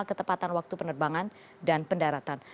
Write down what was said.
ketepatan waktu penerbangan dan pendaratan